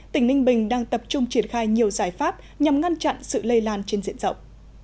tỉnh ninh bình đang tập trung triển khai nhiều giải pháp nhằm ngăn chặn sự lây lan trên diện rộng